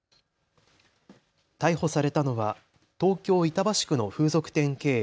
逮捕されたのは東京板橋区の風俗店経営、